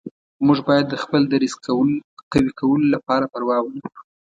موږ باید د خپل دریځ قوي کولو لپاره پروا ونه کړو.